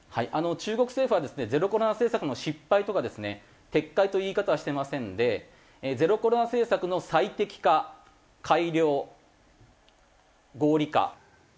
中国政府はですねゼロコロナ政策の失敗とかですね撤回という言い方はしてませんでゼロコロナ政策の最適化改良合理化